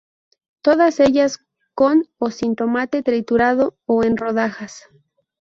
Todas ellas con o sin tomate triturado o en rodajas.